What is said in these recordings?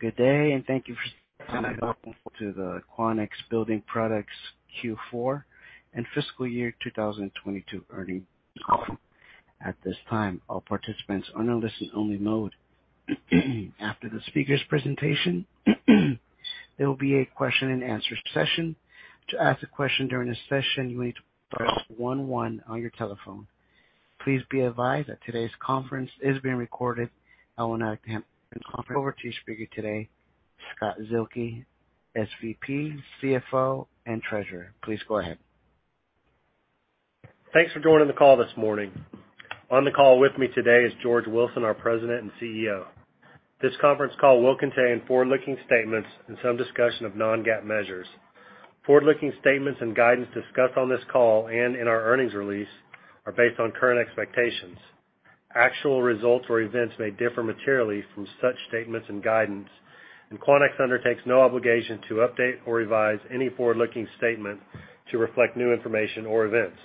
Good day, and thank you for standing by. Welcome to the Quanex Building Products Q4 and fiscal year 2022 earnings call. At this time, all participants are on a listen only mode. After the speaker's presentation, there will be a question-and-answer session. To ask a question during this session, you need to press one one on your telephone. Please be advised that today's conference is being recorded. I will now hand the conference over to your speaker today, Scott Zuehlke, SVP, CFO and Treasurer. Please go ahead. Thanks for joining the call this morning. On the call with me today is George Wilson, our President and CEO. This conference call will contain forward-looking statements and some discussion of non-GAAP measures. Forward-looking statements and guidance discussed on this call and in our earnings release are based on current expectations. Actual results or events may differ materially from such statements and guidance. Quanex undertakes no obligation to update or revise any forward-looking statement to reflect new information or events.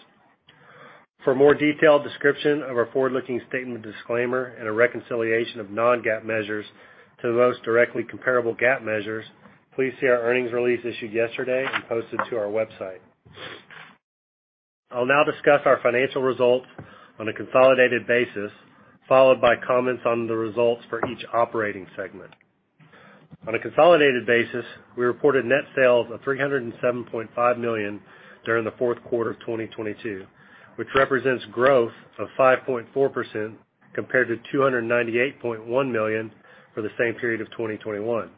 For a more detailed description of our forward-looking statement disclaimer and a reconciliation of non-GAAP measures to the most directly comparable GAAP measures, please see our earnings release issued yesterday and posted to our website. I'll now discuss our financial results on a consolidated basis, followed by comments on the results for each operating segment. On a consolidated basis, we reported net sales of $307.5 million during the fourth quarter of 2022, which represents growth of 5.4% compared to $298.1 million for the same period of 2021.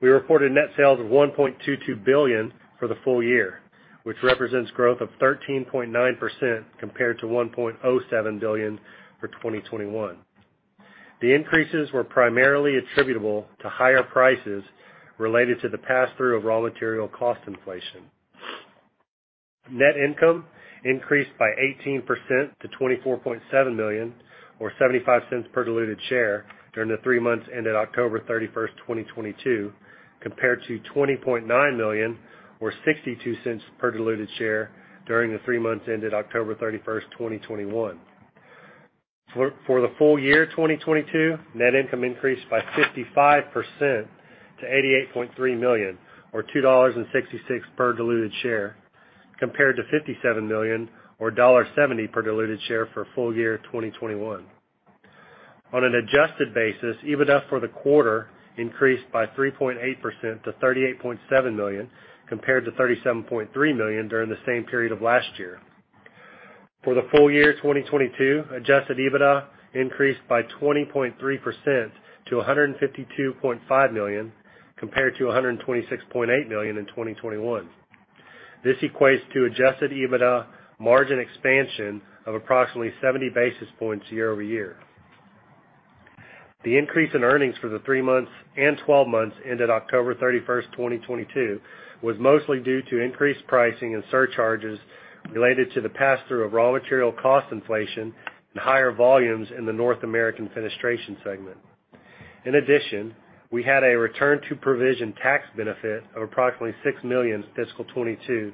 We reported net sales of $1.22 billion for the full year, which represents growth of 13.9% compared to $1.07 billion for 2021. The increases were primarily attributable to higher prices related to the pass-through of raw material cost inflation. Net income increased by 18% to $24.7 million or $0.75 per diluted share during the three months ended October 31st, 2022, compared to $20.9 million or $0.62 per diluted share during the three months ended October 31st, 2021. For the full year 2022, net income increased by 55% to $88.3 million or $2.66 per diluted share, compared to $57 million or $1.70 per diluted share for full year 2021. On an adjusted basis, EBITDA for the quarter increased by 3.8% to $38.7 million, compared to $37.3 million during the same period of last year. For the full year 2022, adjusted EBITDA increased by 20.3% to $152.5 million, compared to $126.8 million in 2021. This equates to adjusted EBITDA margin expansion of approximately 70 basis points year-over-year. The increase in earnings for the three months and 12 months ended October 31, 2022, was mostly due to increased pricing and surcharges related to the pass-through of raw material cost inflation and higher volumes in the North American Fenestration segment. In addition, we had a return to provision tax benefit of approximately $6 million in fiscal 2022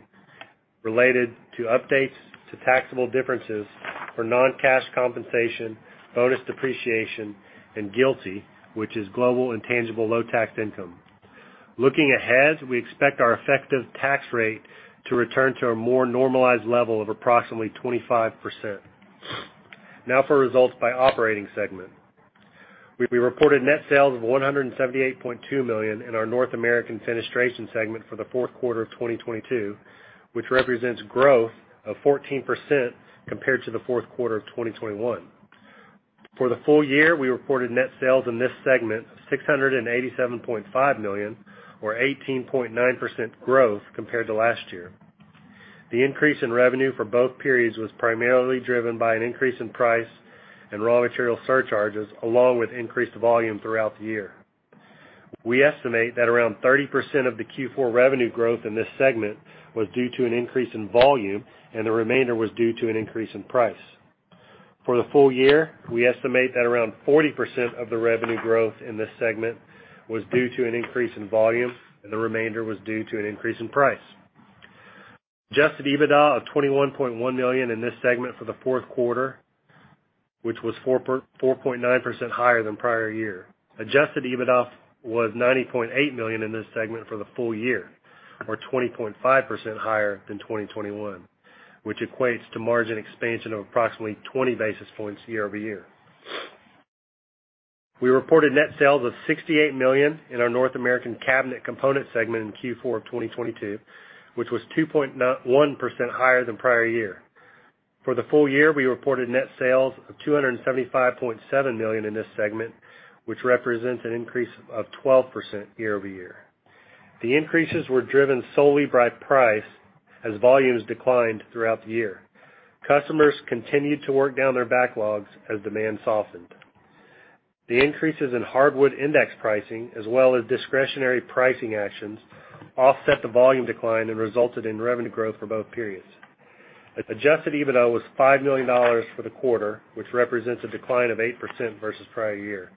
related to updates to taxable differences for non-cash compensation, bonus depreciation and GILTI, which is Global Intangible Low-Taxed Income. Looking ahead, we expect our effective tax rate to return to a more normalized level of approximately 25%. Now for results by operating segment. We reported net sales of $178.2 million in our North American Fenestration segment for the fourth quarter of 2022, which represents growth of 14% compared to the fourth quarter of 2021. For the full year, we reported net sales in this segment of $687.5 million or 18.9% growth compared to last year. The increase in revenue for both periods was primarily driven by an increase in price and raw material surcharges, along with increased volume throughout the year. We estimate that around 30% of the Q4 revenue growth in this segment was due to an increase in volume and the remainder was due to an increase in price. For the full year, we estimate that around 40% of the revenue growth in this segment was due to an increase in volume and the remainder was due to an increase in price. Adjusted EBITDA of $21.1 million in this segment for the fourth quarter, which was 4.9% higher than prior year. Adjusted EBITDA was $90.8 million in this segment for the full year, or 20.5% higher than 2021, which equates to margin expansion of approximately 20 basis points year-over-year. We reported net sales of $68 million in our North American Cabinet Components segment in Q4 of 2022, which was 2.1% higher than prior year. For the full year, we reported net sales of $275.7 million in this segment, which represents an increase of 12% year-over-year. The increases were driven solely by price as volumes declined throughout the year. Customers continued to work down their backlogs as demand softened. The increases in hardwood index pricing as well as discretionary pricing actions offset the volume decline and resulted in revenue growth for both periods. Adjusted EBITDA was $5 million for the quarter, which represents a decline of 8% versus prior year.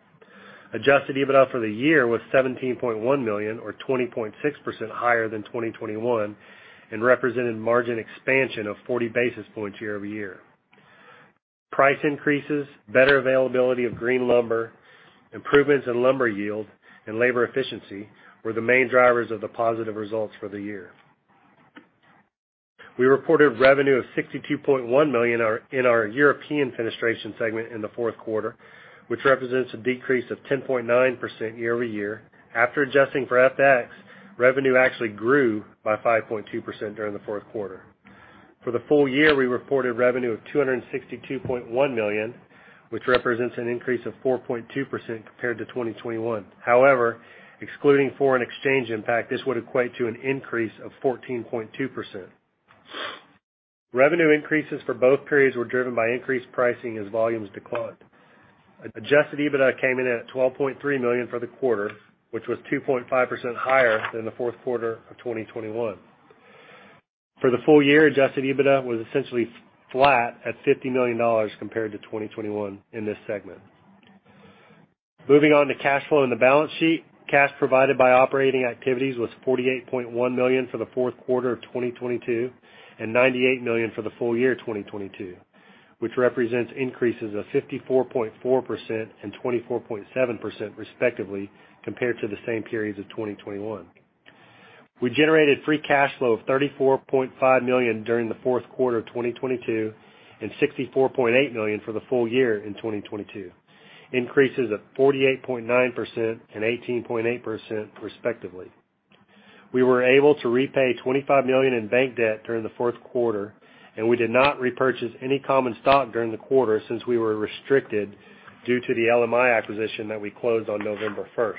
Adjusted EBITDA for the year was $17.1 million or 20.6% higher than 2021 and represented margin expansion of 40 basis points year-over-year. Price increases, better availability of green lumber, improvements in lumber yield and labor efficiency were the main drivers of the positive results for the year. We reported revenue of $62.1 million in our European Fenestration segment in the fourth quarter, which represents a decrease of 10.9% year-over-year. After adjusting for FX, revenue actually grew by 5.2% during the fourth quarter. For the full year, we reported revenue of $262.1 million, which represents an increase of 4.2% compared to 2021. However, excluding foreign exchange impact, this would equate to an increase of 14.2%. Revenue increases for both periods were driven by increased pricing as volumes declined. Adjusted EBITDA came in at $12.3 million for the quarter, which was 2.5% higher than Q4 2021. For the full year, Adjusted EBITDA was essentially flat at $50 million compared to 2021 in this segment. Moving on to cash flow and the balance sheet. Cash provided by operating activities was $48.1 million for Q4 2022, and $98 million for the full year 2022, which represents increases of 54.4% and 24.7%, respectively, compared to the same periods of 2021. We generated free cash flow of $34.5 million during Q4 2022, and $64.8 million for the full year in 2022, increases of 48.9% and 18.8%, respectively. We were able to repay $25 million in bank debt during Q4, and we did not repurchase any common stock during the quarter since we were restricted due to the LMI acquisition that we closed on November 1st.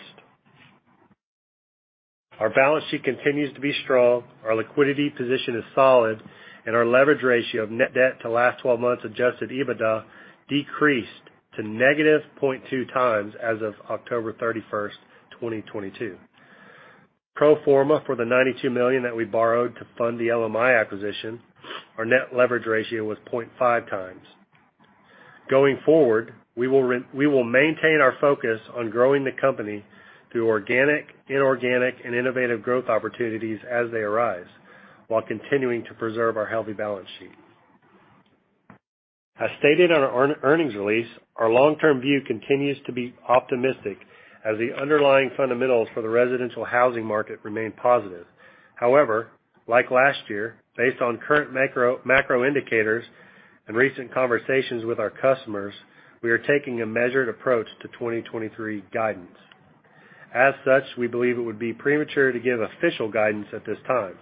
Our balance sheet continues to be strong, our liquidity position is solid, and our leverage ratio of net debt to last 12 months adjusted EBITDA decreased to -0.2x as of October 31st, 2022. Pro forma for the $92 million that we borrowed to fund the LMI acquisition, our net leverage ratio was 0.5x. Going forward, we will maintain our focus on growing the company through organic, inorganic, and innovative growth opportunities as they arise, while continuing to preserve our healthy balance sheet. As stated on our earnings release, our long-term view continues to be optimistic as the underlying fundamentals for the residential housing market remain positive. Like last year, based on current macro indicators and recent conversations with our customers, we are taking a measured approach to 2023 guidance. We believe it would be premature to give official guidance at this time.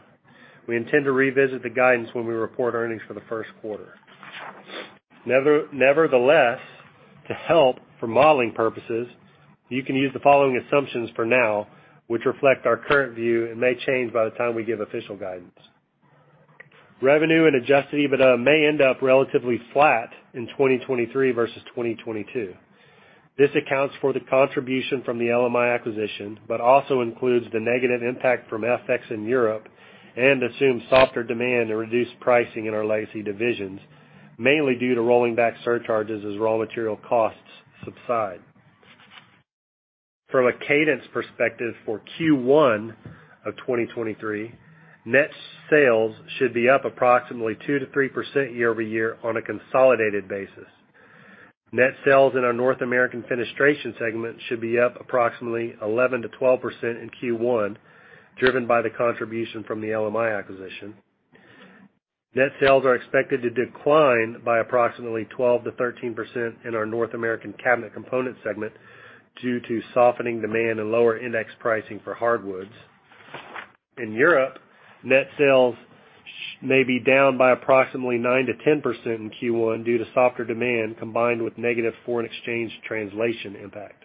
We intend to revisit the guidance when we report earnings for the first quarter. Nevertheless, to help for modeling purposes, you can use the following assumptions for now, which reflect our current view and may change by the time we give official guidance. Revenue and adjusted EBITDA may end up relatively flat in 2023 versus 2022. This accounts for the contribution from the LMI acquisition, but also includes the negative impact from FX in Europe and assumes softer demand and reduced pricing in our legacy divisions, mainly due to rolling back surcharges as raw material costs subside. From a cadence perspective for Q1 of 2023, net sales should be up approximately 2%-3% year-over-year on a consolidated basis. Net sales in our North American Fenestration segment should be up approximately 11%-12% in Q1, driven by the contribution from the LMI acquisition. Net sales are expected to decline by approximately 12%-13% in our North American Cabinet Components segment due to softening demand and lower index pricing for hardwoods. In Europe, net sales may be down by approximately 9%-10% in Q1 due to softer demand combined with negative foreign exchange translation impact.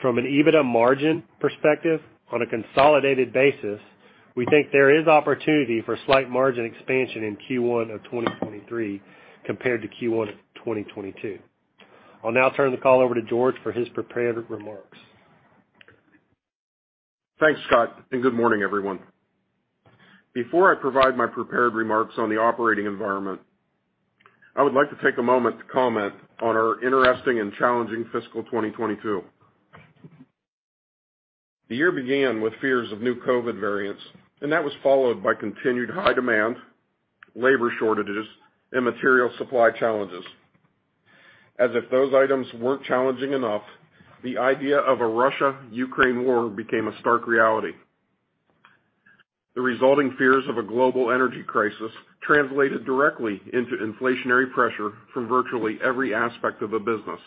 From an EBITDA margin perspective, on a consolidated basis, we think there is opportunity for slight margin expansion in Q1 of 2023 compared to Q1 of 2022. I'll now turn the call over to George for his prepared remarks. Thanks, Scott. Good morning, everyone. Before I provide my prepared remarks on the operating environment, I would like to take a moment to comment on our interesting and challenging fiscal 2022. The year began with fears of new COVID variants. That was followed by continued high demand, labor shortages, and material supply challenges. As if those items weren't challenging enough, the idea of a Russia/Ukraine war became a stark reality. The resulting fears of a global energy crisis translated directly into inflationary pressure from virtually every aspect of the business,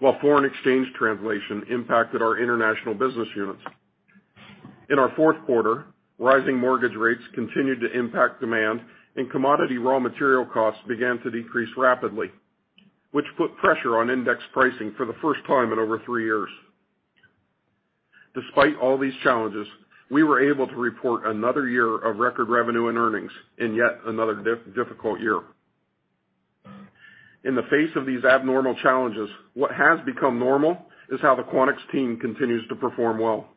while foreign exchange translation impacted our international business units. In our fourth quarter, rising mortgage rates continued to impact demand and commodity raw material costs began to decrease rapidly, which put pressure on index pricing for the first time in over three years. Despite all these challenges, we were able to report another year of record revenue and earnings in yet another difficult year. In the face of these abnormal challenges, what has become normal is how the Quanex team continues to perform well.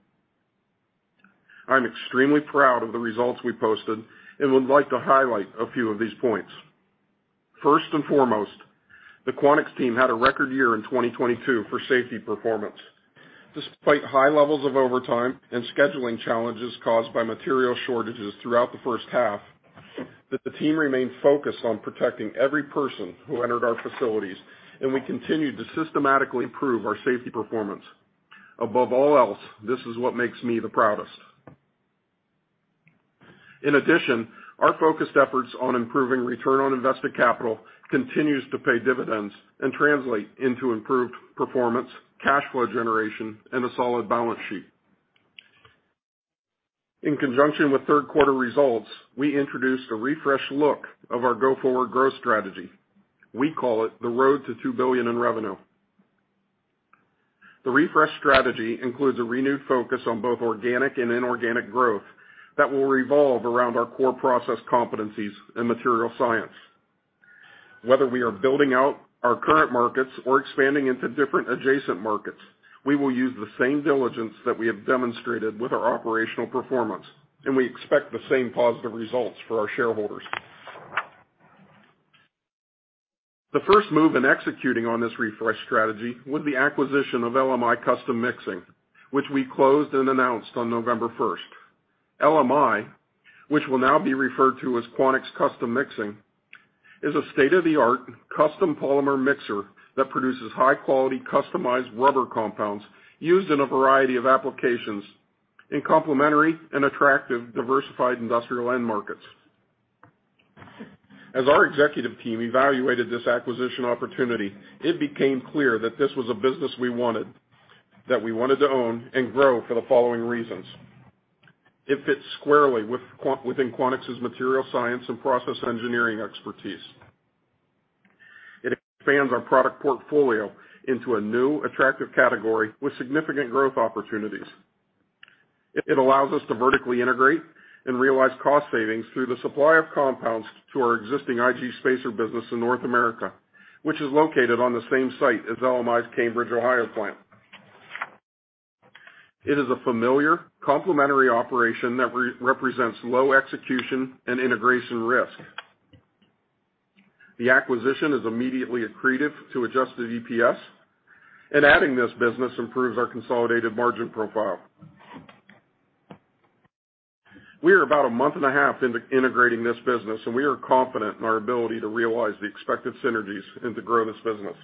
I'm extremely proud of the results we posted and would like to highlight a few of these points. First and foremost, the Quanex team had a record year in 2022 for safety performance. Despite high levels of overtime and scheduling challenges caused by material shortages throughout the first half, that the team remained focused on protecting every person who entered our facilities, and we continued to systematically improve our safety performance. Above all else, this is what makes me the proudest. In addition, our focused efforts on improving return on invested capital continues to pay dividends and translate into improved performance, cash flow generation, and a solid balance sheet. In conjunction with third quarter results, we introduced a refreshed look of our go-forward growth strategy. We call it the Road to $2 Billion in Revenue. The refresh strategy includes a renewed focus on both organic and inorganic growth that will revolve around our core process competencies in material science. Whether we are building out our current markets or expanding into different adjacent markets, we will use the same diligence that we have demonstrated with our operational performance, and we expect the same positive results for our shareholders. The first move in executing on this refresh strategy was the acquisition of LMI Custom Mixing, which we closed and announced on November first. LMI, which will now be referred to as Quanex Custom Mixing, is a state-of-the-art custom polymer mixer that produces high-quality customized rubber compounds used in a variety of applications in complementary and attractive diversified industrial end markets. As our executive team evaluated this acquisition opportunity, it became clear that this was a business that we wanted to own and grow for the following reasons. It fits squarely within Quanex's material science and process engineering expertise. It expands our product portfolio into a new attractive category with significant growth opportunities. It allows us to vertically integrate and realize cost savings through the supply of compounds to our existing IG spacer business in North America, which is located on the same site as LMI's Cambridge, Ohio plant. It is a familiar complementary operation that represents low execution and integration risk. The acquisition is immediately accretive to adjusted EPS, and adding this business improves our consolidated margin profile. We are about a month and a half into integrating this business. We are confident in our ability to realize the expected synergies and to grow this business.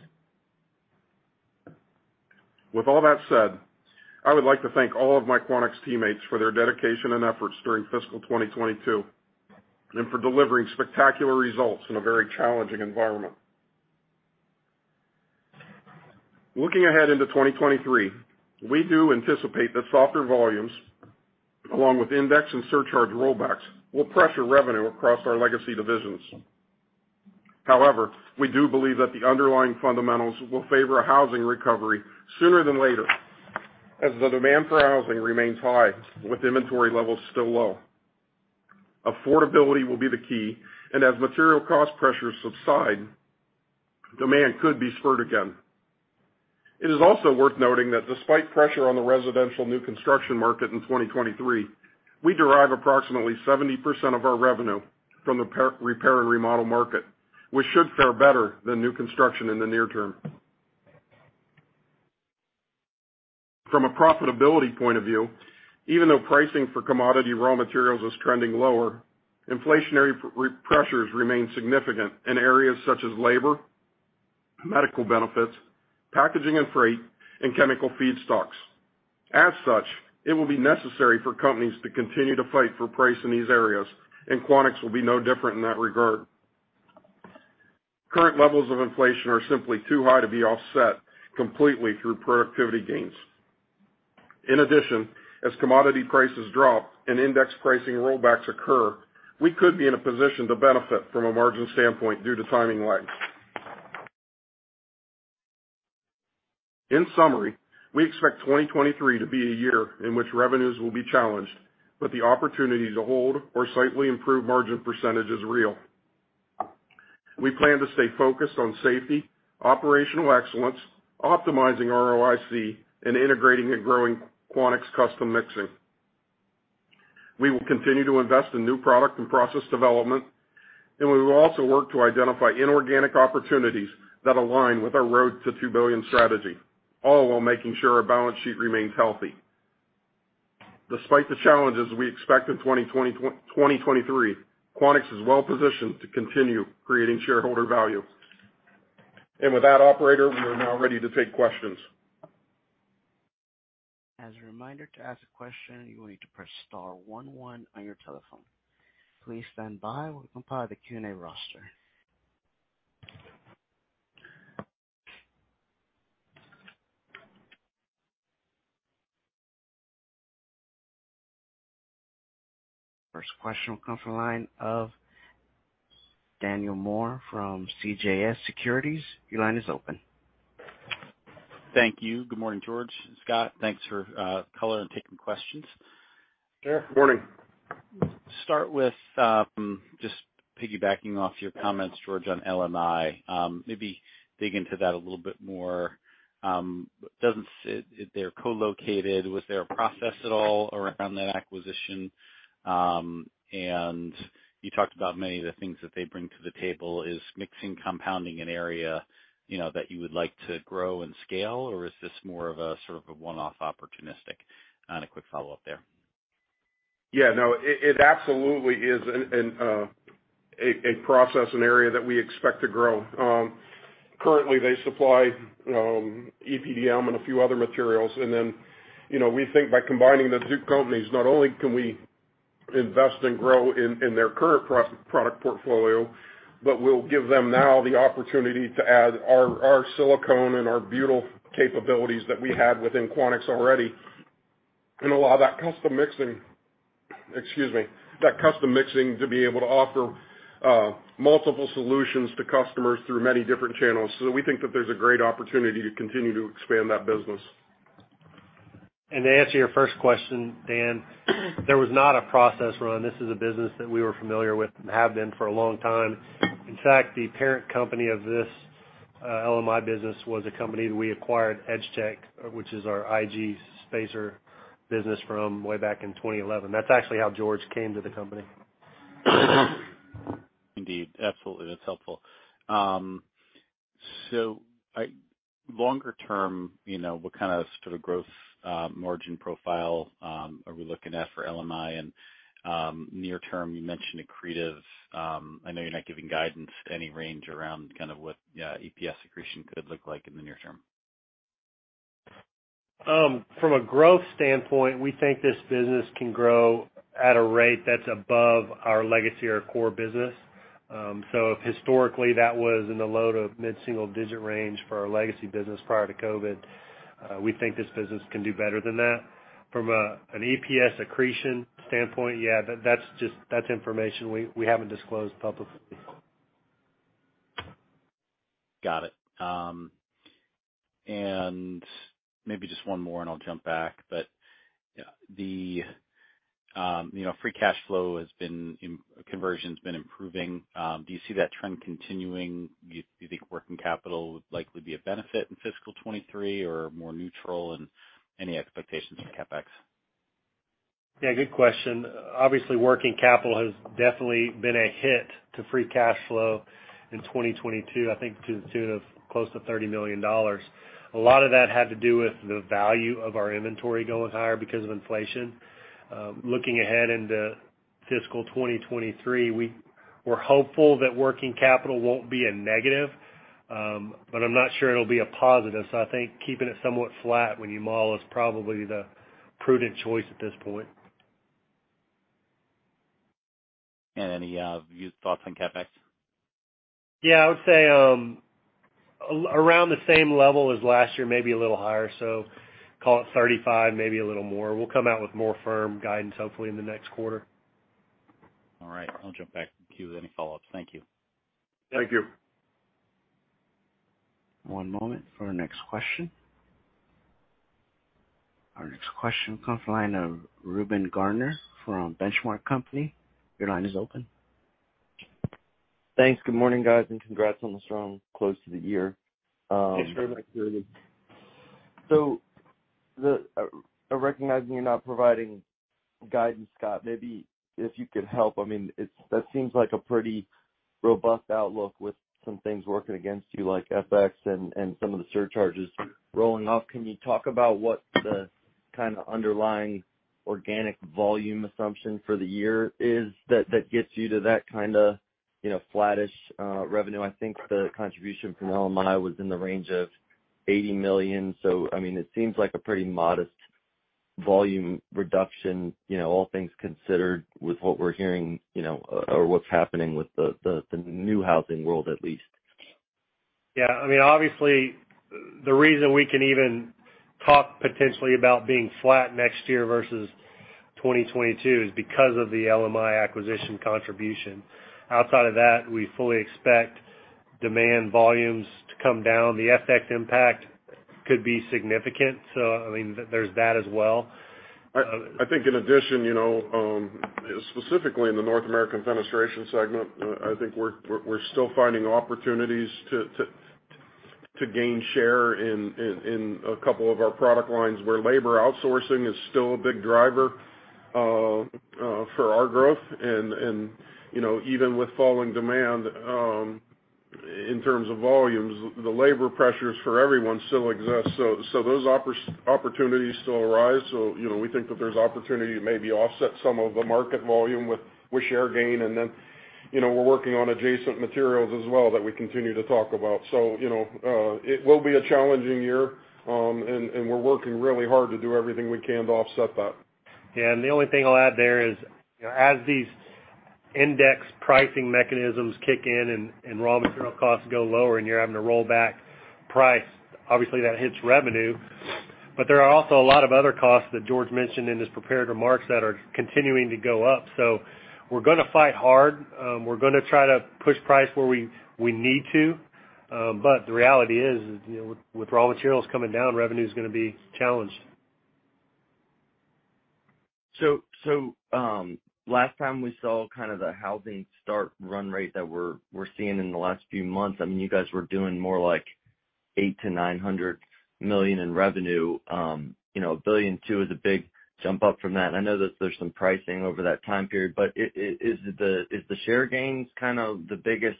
With all that said, I would like to thank all of my Quanex teammates for their dedication and efforts during fiscal 2022, and for delivering spectacular results in a very challenging environment. Looking ahead into 2023, we do anticipate that softer volumes, along with index and surcharge rollbacks, will pressure revenue across our legacy divisions. However, we do believe that the underlying fundamentals will favor a housing recovery sooner than later, as the demand for housing remains high with inventory levels still low. Affordability will be the key. As material cost pressures subside, demand could be spurred again. It is also worth noting that despite pressure on the residential new construction market in 2023, we derive approximately 70% of our revenue from the repair and remodel market, which should fare better than new construction in the near term. From a profitability point of view, even though pricing for commodity raw materials is trending lower, inflationary pressures remain significant in areas such as labor, medical benefits, packaging and freight, and chemical feedstocks. As such, it will be necessary for companies to continue to fight for price in these areas, and Quanex will be no different in that regard. Current levels of inflation are simply too high to be offset completely through productivity gains. In addition, as commodity prices drop and index pricing rollbacks occur, we could be in a position to benefit from a margin standpoint due to timing lags. In summary, we expect 2023 to be a year in which revenues will be challenged, but the opportunity to hold or slightly improve margin % is real. We plan to stay focused on safety, operational excellence, optimizing ROIC, and integrating and growing Quanex Custom Mixing. We will continue to invest in new product and process development, we will also work to identify inorganic opportunities that align with our Road to $2 Billion strategy, all while making sure our balance sheet remains healthy. Despite the challenges we expect in 2023, Quanex is well positioned to continue creating shareholder value. With that, operator, we are now ready to take questions. As a reminder, to ask a question, you will need to press star one one on your telephone. Please stand by while we compile the Q&A roster. First question will come from the line of Daniel Moore from CJS Securities. Your line is open. Thank you. Good morning, George and Scott. Thanks for calling and taking questions. Sure. Morning. Start with just piggybacking off your comments, George, on LMI. Maybe dig into that a little bit more. They're co-located, was there a process at all around that acquisition? You talked about many of the things that they bring to the table. Is mixing compounding an area, you know, that you would like to grow and scale, or is this more of a sort of a one-off opportunistic? A quick follow-up there. Yeah. No, it absolutely is an, a process, an area that we expect to grow. Currently, they supply EPDM and a few other materials. You know, we think by combining the two companies, not only can we invest and grow in their current product portfolio, but we'll give them now the opportunity to add our silicone and our butyl capabilities that we had within Quanex already, and allow that Custom Mixing, excuse me, that Custom Mixing to be able to offer multiple solutions to customers through many different channels. We think that there's a great opportunity to continue to expand that business. To answer your first question, Dan, there was not a process run. This is a business that we were familiar with and have been for a long time. In fact, the parent company of this LMI business was a company that we acquired, Edgetech, which is our IG spacer business from way back in 2011. That's actually how George came to the company. Indeed. Absolutely. That's helpful. longer term, you know, what kind of sort of growth, margin profile, are we looking at for LMI? near term, you mentioned accretives. I know you're not giving guidance, any range around kind of what, EPS accretion could look like in the near term? From a growth standpoint, we think this business can grow at a rate that's above our legacy or core business. If historically that was in the low to mid-single-digit range for our legacy business prior to COVID, we think this business can do better than that. From an EPS accretion standpoint, yeah, that's just, that's information we haven't disclosed publicly. Got it. Maybe just one more, and I'll jump back. Yeah, the, you know, free cash flow has been conversion's been improving. Do you see that trend continuing? Do you think working capital would likely be a benefit in fiscal 2023 or more neutral, and any expectations on CapEx? Yeah, good question. Obviously, working capital has definitely been a hit to free cash flow in 2022, I think to the tune of close to $30 million. A lot of that had to do with the value of our inventory going higher because of inflation. Looking ahead into fiscal 2023, we're hopeful that working capital won't be a negative, but I'm not sure it'll be a positive. I think keeping it somewhat flat when you model is probably the prudent choice at this point. Any thoughts on CapEx? Yeah, I would say, around the same level as last year, maybe a little higher. Call it $35, maybe a little more. We'll come out with more firm guidance hopefully in the next quarter. All right. I'll jump back in queue with any follow-ups. Thank you. Thank you. One moment for our next question. Our next question comes line of Reuben Garner from Benchmark Company. Your line is open. Thanks. Good morning, guys, congrats on the strong close to the year. Thanks very much, Reuben. Recognizing you're not providing guidance, Scott, maybe if you could help. I mean, that seems like a pretty robust outlook with some things working against you like FX and some of the surcharges rolling off. Can you talk about what the kind of underlying organic volume assumption for the year is that gets you to that kind of, you know, flattish revenue? I think the contribution from LMI was in the range of $80 million. I mean, it seems like a pretty modest volume reduction, you know, all things considered with what we're hearing, you know, or what's happening with the new housing world at least. Yeah. I mean, obviously, the reason we can even talk potentially about being flat next year versus 2022 is because of the LMI acquisition contribution. Outside of that, we fully expect demand volumes to come down. The FX impact could be significant. I mean, there's that as well. I think in addition, you know, specifically in the North American Fenestration segment, I think we're still finding opportunities to gain share in a couple of our product lines where labor outsourcing is still a big driver for our growth. you know, even with falling demand in terms of volumes, the labor pressures for everyone still exists. those opportunities still arise. you know, we think that there's opportunity to maybe offset some of the market volume with share gain. you know, we're working on adjacent materials as well that we continue to talk about. you know, it will be a challenging year, and we're working really hard to do everything we can to offset that. Yeah. The only thing I'll add there is, you know, as these index pricing mechanisms kick in and raw material costs go lower and you're having to roll back price, obviously that hits revenue. There are also a lot of other costs that George mentioned in his prepared remarks that are continuing to go up. We're gonna fight hard. We're gonna try to push price where we need to. The reality is, you know, with raw materials coming down, revenue is gonna be challenged. Last time we saw kind of the housing start run rate that we're seeing in the last few months, I mean, you guys were doing more like $800 million-$900 million in revenue. You know, $1.2 billion is a big jump up from that. I know that there's some pricing over that time period, but is the share gains kind of the biggest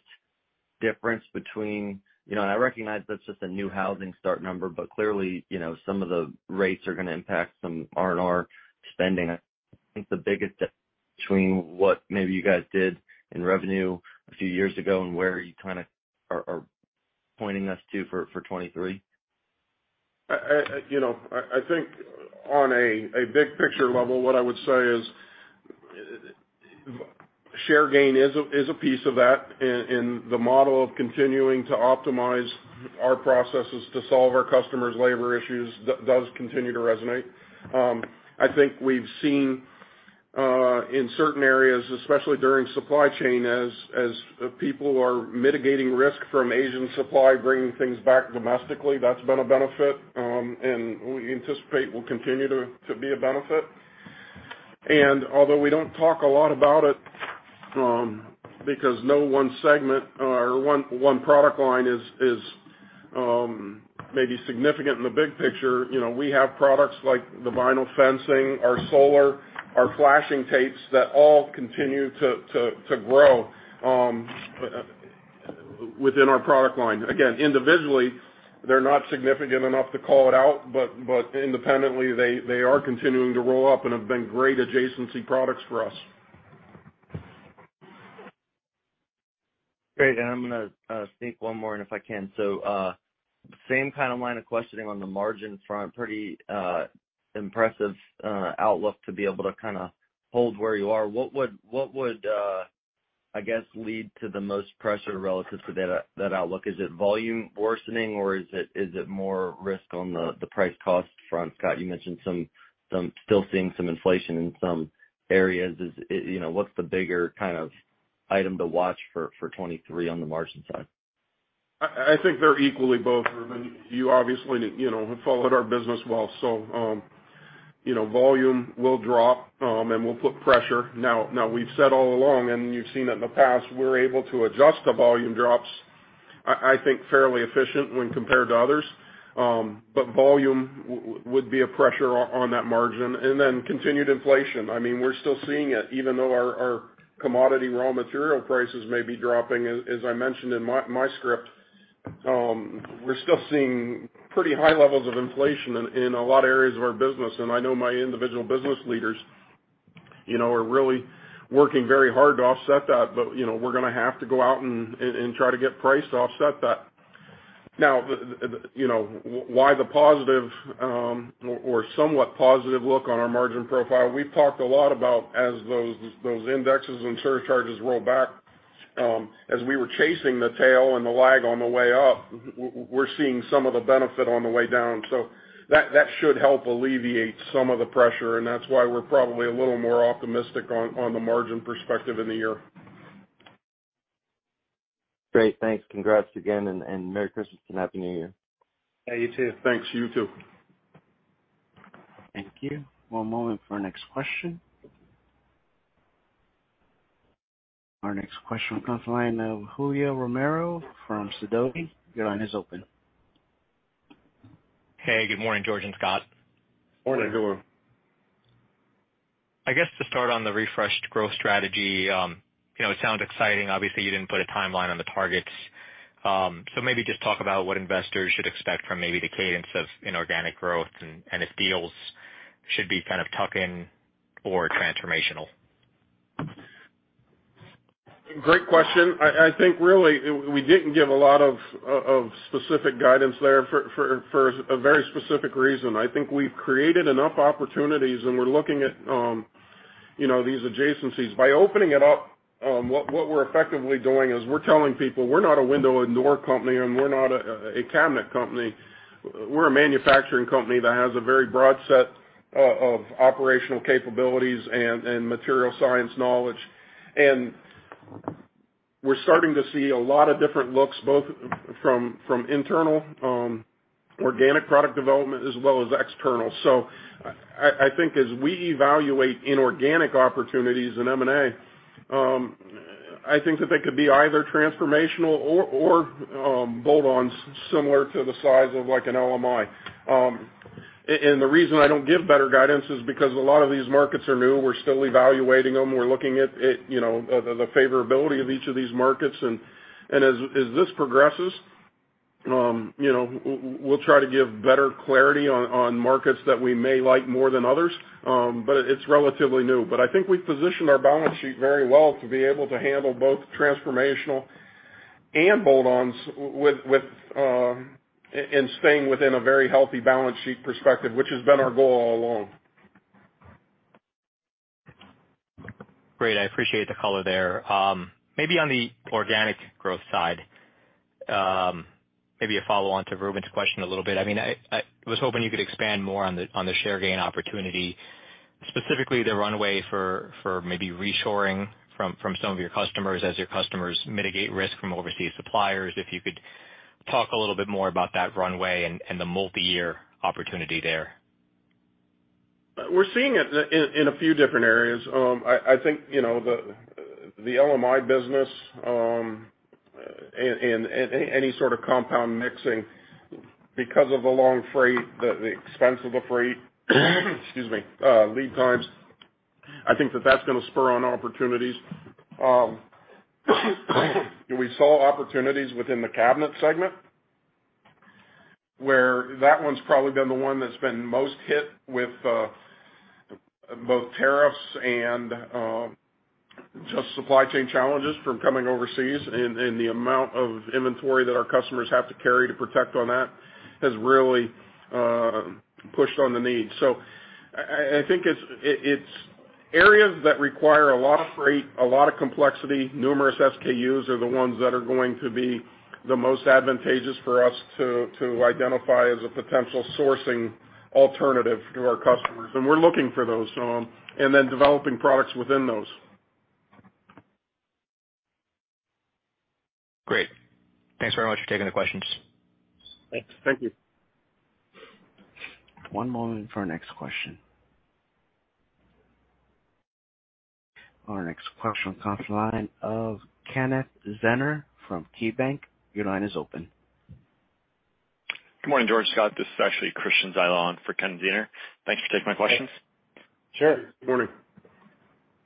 difference between, you know, and I recognize that's just a new housing start number, but clearly, you know, some of the rates are gonna impact some R&R spending, I think the biggest between what maybe you guys did in revenue a few years ago and where you kind of are pointing us to for 2023? I, you know, I think on a big picture level, what I would say is share gain is a piece of that in the model of continuing to optimize our processes to solve our customers' labor issues does continue to resonate. I think we've seen in certain areas, especially during supply chain, as people are mitigating risk from Asian supply, bringing things back domestically, that's been a benefit, and we anticipate will continue to be a benefit. Although we don't talk a lot about it, because no one segment or one product line is maybe significant in the big picture, you know, we have products like the vinyl fencing, our solar, our flashing tapes that all continue to grow within our product line. Individually, they're not significant enough to call it out, but independently they are continuing to roll up and have been great adjacency products for us. Great. I'm gonna sneak one more in if I can. Same kind of line of questioning on the margin front. Pretty impressive outlook to be able to kind of hold where you are. What would, I guess, lead to the most pressure relative to that outlook? Is it volume worsening or is it more risk on the price cost front? Scott, you mentioned still seeing some inflation in some areas. You know, what's the bigger kind of item to watch for 2023 on the margin side? I think they're equally both, Reuben. You obviously, you know, have followed our business well. You know, volume will drop, and will put pressure. Now we've said all along, and you've seen it in the past, we're able to adjust to volume drops, I think, fairly efficient when compared to others. Volume would be a pressure on that margin. Then continued inflation. I mean, we're still seeing it, even though our commodity raw material prices may be dropping, as I mentioned in my script, we're still seeing pretty high levels of inflation in a lot of areas of our business. I know my individual business leaders, you know, are really working very hard to offset that. You know, we're gonna have to go out and try to get price to offset that. You know, why the positive, or somewhat positive look on our margin profile, we've talked a lot about as those indexes and surcharges roll back, as we were chasing the tail and the lag on the way up, we're seeing some of the benefit on the way down. That, that should help alleviate some of the pressure, and that's why we're probably a little more optimistic on the margin perspective in the year. Great. Thanks. Congrats again, and Merry Christmas and Happy New Year. Yeah, you too. Thanks. You too. Thank you. One moment for our next question. Our next question comes from the line of Julio Romero from Sidoti. Your line is open. Hey, good morning, George and Scott. Morning, Julio. I guess to start on the refreshed growth strategy, you know, it sounds exciting. Obviously, you didn't put a timeline on the targets. Maybe just talk about what investors should expect from maybe the cadence of inorganic growth and if deals should be kind of tuck-in or transformational. Great question. I think really we didn't give a lot of specific guidance there for a very specific reason. I think we've created enough opportunities, and we're looking at, you know, these adjacencies. By opening it up, what we're effectively doing is we're telling people we're not a window and door company, and we're not a cabinet company. We're a manufacturing company that has a very broad set of operational capabilities and material science knowledge. We're starting to see a lot of different looks, both from internal, organic product development as well as external. I think as we evaluate inorganic opportunities in M&A, I think that they could be either transformational or bolt-ons similar to the size of like an LMI. The reason I don't give better guidance is because a lot of these markets are new. We're still evaluating them. We're looking at, you know, the favorability of each of these markets. As this progresses, you know, we'll try to give better clarity on markets that we may like more than others. It's relatively new. I think we've positioned our balance sheet very well to be able to handle both transformational and bolt-ons with, and staying within a very healthy balance sheet perspective, which has been our goal all along. Great. I appreciate the color there. Maybe on the organic growth side, maybe a follow-on to Reuben's question a little bit. I mean, I was hoping you could expand more on the, on the share gain opportunity, specifically the runway for maybe reshoring from some of your customers as your customers mitigate risk from overseas suppliers. If you could talk a little bit more about that runway and the multi-year opportunity there. We're seeing it in a few different areas. I think, you know, the LMI business, and any sort of compound mixing because of the long freight, the expense of the freight, excuse me, lead times. I think that that's gonna spur on opportunities. We saw opportunities within the cabinet segment, where that one's probably been the one that's been most hit with both tariffs and just supply chain challenges from coming overseas, and the amount of inventory that our customers have to carry to protect on that has really pushed on the need. I think it's areas that require a lot of freight, a lot of complexity, numerous SKUs are the ones that are going to be the most advantageous for us to identify as a potential sourcing alternative to our customers. We're looking for those, and then developing products within those. Great. Thanks very much for taking the questions. Thank you. One moment for our next question. Our next question comes line of Kenneth Zener from KeyBanc. Your line is open. Good morning, George, Scott. This is actually Christian Zyla for Ken Zener. Thanks for taking my questions. Sure. Good morning.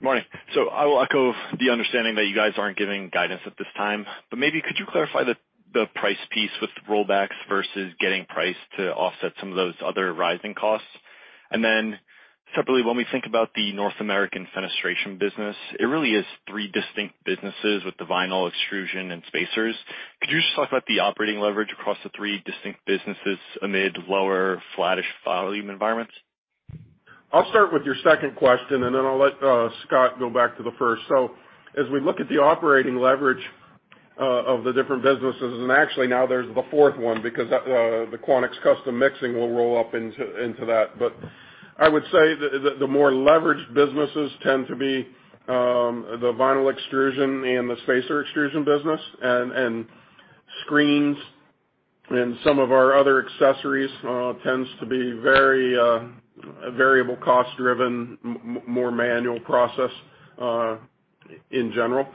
Morning. I will echo the understanding that you guys aren't giving guidance at this time, but maybe could you clarify the price piece with rollbacks versus getting price to offset some of those other rising costs? Separately, when we think about the North American Fenestration business, it really is three distinct businesses with the vinyl extrusion and spacers. Could you just talk about the operating leverage across the three distinct businesses amid lower flattish volume environments? I'll start with your second question, and then I'll let Scott go back to the first. As we look at the operating leverage of the different businesses, and actually now there's the fourth one because the Quanex Custom Mixing will roll up into that. I would say the more leveraged businesses tend to be the vinyl extrusion and the spacer extrusion business. Screens and some of our other accessories tends to be very variable cost driven, more manual process in general.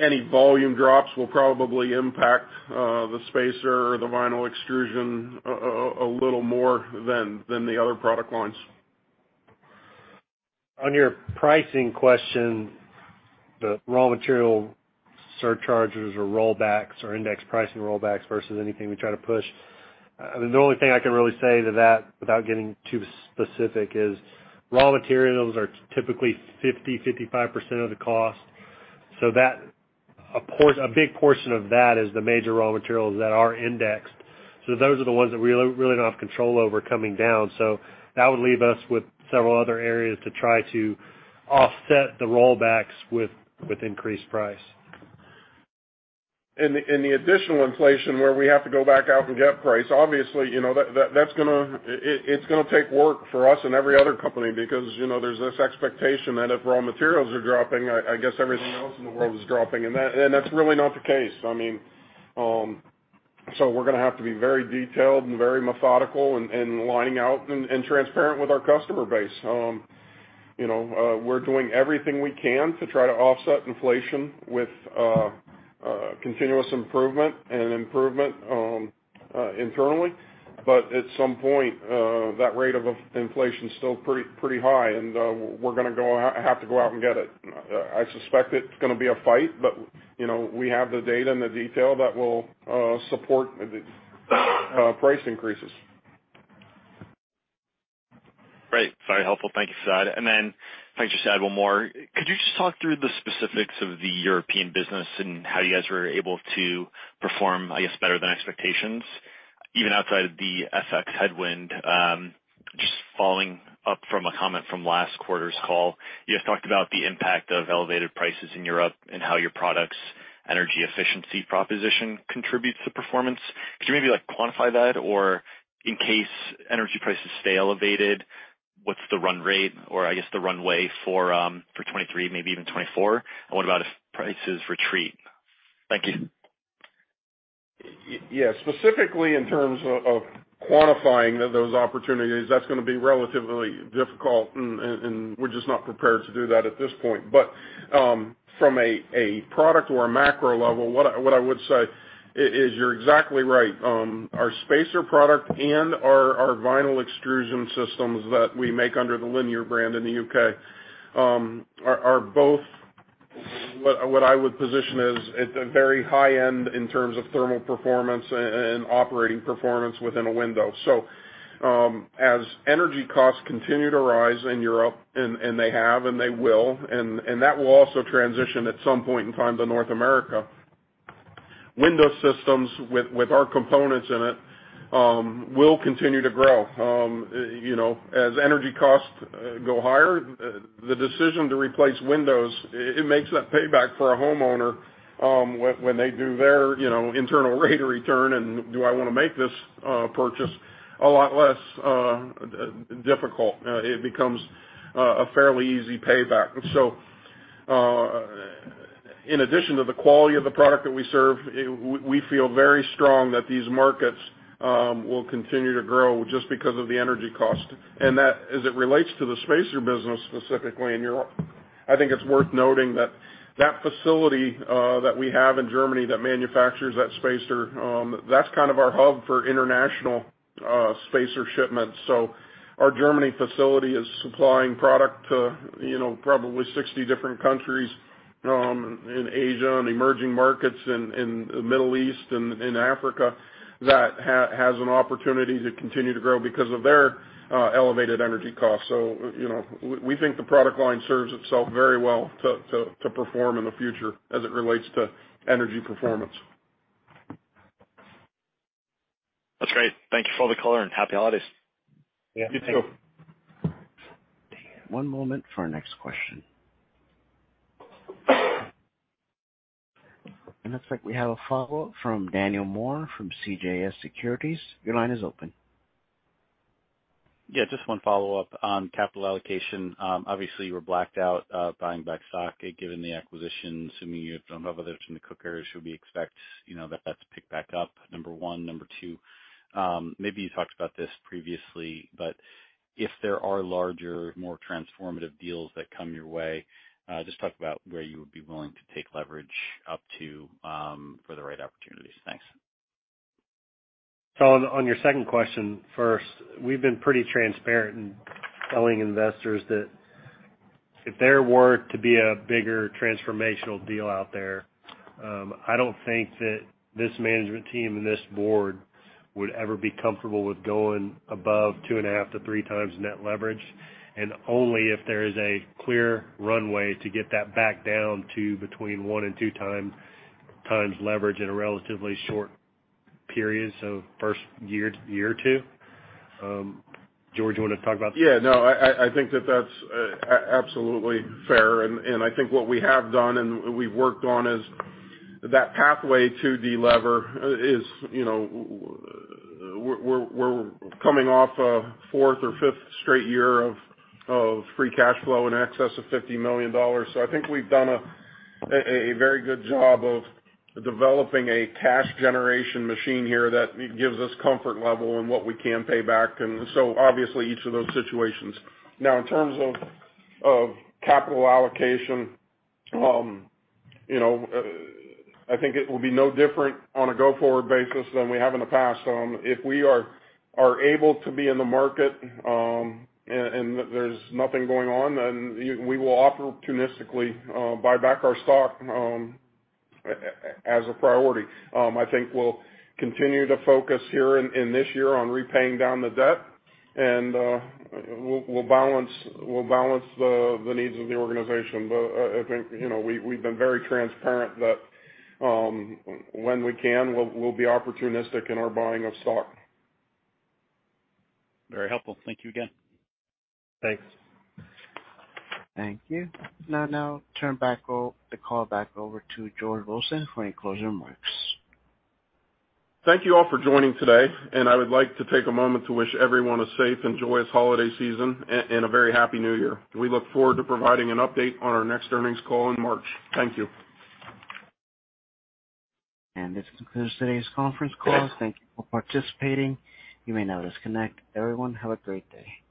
Any volume drops will probably impact the spacer or the vinyl extrusion a little more than the other product lines. On your pricing question, the raw material surcharges or rollbacks or index pricing rollbacks versus anything we try to push, I mean, the only thing I can really say to that without getting too specific is raw materials are typically 50%, 55% of the cost. That, a big portion of that is the major raw materials that are indexed. Those are the ones that we really don't have control over coming down. That would leave us with several other areas to try to offset the rollbacks with increased price. In the additional inflation where we have to go back out and get price, obviously, you know, that's gonna take work for us and every other company because, you know, there's this expectation that if raw materials are dropping, I guess everything else in the world is dropping, and that, and that's really not the case. I mean, so we're gonna have to be very detailed and very methodical and laying out and transparent with our customer base. You know, we're doing everything we can to try to offset inflation with continuous improvement and improvement internally. At some point, that rate of inflation is still pretty high, and we're gonna have to go out and get it. I suspect it's gonna be a fight, but, you know, we have the data and the detail that will support price increases. Great. Very helpful. Thank you for that. If I can just add one more. Could you just talk through the specifics of the European Fenestration business and how you guys were able to perform, I guess, better than expectations, even outside of the FX headwind? Just following up from a comment from last quarter's call, you had talked about the impact of elevated prices in Europe and how your product's energy efficiency proposition contributes to performance. Could you maybe, like, quantify that? Or in case energy prices stay elevated, what's the run rate or I guess the runway for 2023, maybe even 2024? What about if prices retreat? Thank you. Yeah. Specifically, in terms of quantifying those opportunities, that's gonna be relatively difficult and we're just not prepared to do that at this point. From a product or a macro level, what I would say is you're exactly right. Our spacer product and our vinyl extrusion systems that we make under the Liniar brand in the U.K., are both what I would position as at the very high end in terms of thermal performance and operating performance within a window. As energy costs continue to rise in Europe, and they have and they will, and that will also transition at some point in time to North America, window systems with our components in it will continue to grow. You know, as energy costs go higher, the decision to replace windows, it makes that payback for a homeowner, when they do their, you know, internal rate of return, and do I wanna make this purchase a lot less difficult. It becomes a fairly easy payback. In addition to the quality of the product that we serve, we feel very strong that these markets will continue to grow just because of the energy cost. As it relates to the spacer business specifically in Europe, I think it's worth noting that facility that we have in Germany that manufactures that spacer, that's kind of our hub for international spacer shipments. Our Germany facility is supplying product to, you know, probably 60 different countries in Asia and emerging markets in the Middle East and in Africa that has an opportunity to continue to grow because of their elevated energy costs. You know, we think the product line serves itself very well to perform in the future as it relates to energy performance. That's great. Thank you for all the color, and Happy Holidays. Yeah, you too. One moment for our next question. It looks like we have a follow-up from Daniel Moore from CJS Securities. Your line is open. Yeah, just one follow-up on capital allocation. Obviously you were blacked out, buying back stock given the acquisition, assuming you have none of those in the cooker. Should we expect, you know, that that's picked back up? Number one. Number two, maybe you talked about this previously, but if there are larger, more transformative deals that come your way, just talk about where you would be willing to take leverage up to, for the right opportunities. Thanks. On your second question first, we've been pretty transparent in telling investors that if there were to be a bigger transformational deal out there, I don't think that this management team and this board would ever be comfortable with going above 2.5x-3x net leverage. Only if there is a clear runway to get that back down to between 1x-2x leverage in a relatively short period. First year to year two. George, you wanna talk about that? Yeah, no, I think that that's absolutely fair. I think what we have done and we've worked on is that pathway to delever is, you know, we're coming off a fourth or fifth straight year of free cash flow in excess of $50 million. I think we've done a very good job of developing a cash generation machine here that gives us comfort level in what we can pay back. Obviously each of those situations. Now in terms of capital allocation, you know, I think it will be no different on a go-forward basis than we have in the past. If we are able to be in the market, and there's nothing going on, then we will opportunistically buy back our stock as a priority. I think we'll continue to focus here in this year on repaying down the debt and we'll balance the needs of the organization. I think, you know, we've been very transparent that when we can, we'll be opportunistic in our buying of stock. Very helpful. Thank you again. Thanks. Thank you. Now turn the call back over to George Wilson for any closing remarks. Thank you all for joining today, and I would like to take a moment to wish everyone a safe and joyous holiday season and a very happy new year. We look forward to providing an update on our next earnings call in March. Thank you. This concludes today's conference call. Thank you for participating. You may now disconnect. Everyone, have a great day.